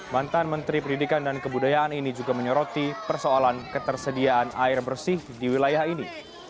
mantan menteri pendidikan dan kebudayaan ini juga menyoroti persoalan ketersediaan air bersih di wilayah ini